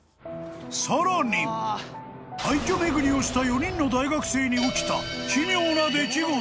［さらに廃墟巡りをした４人の大学生に起きた奇妙な出来事］